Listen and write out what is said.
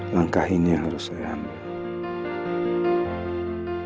langkah ini yang harus saya ambil